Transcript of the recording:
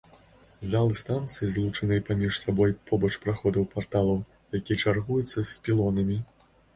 Залы станцыі злучаныя паміж сабой побач праходаў-парталаў, якія чаргуюцца з пілонамі.